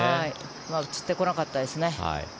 今映ってこなかったですね。